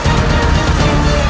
ketika kanda menang kanda menang